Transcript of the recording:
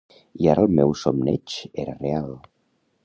I ara el meu somneig era real.